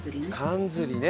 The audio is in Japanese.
かんずりね。